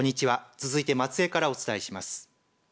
続いて松江からお伝えします。